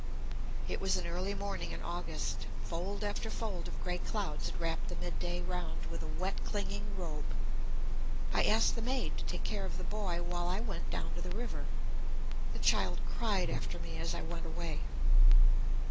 "It was an early morning in August. Fold after fold of grey clouds had wrapped the mid day round with a wet clinging robe. I asked the maid to take care of the boy, while I went down to the river. The child cried after me as I went away.